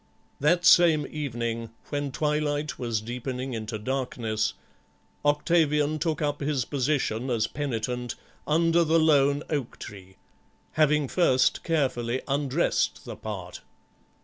That same evening when twilight was deepening into darkness Octavian took up his position as penitent under the lone oak tree, having first carefully undressed the part.